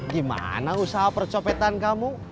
gimana usaha percopetan kamu